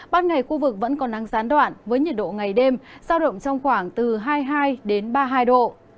bắt ngày khu vực vẫn có nắng gián đoạn với nhiệt độ ngày đêm sao động trong khoảng từ hai mươi hai ba mươi hai độ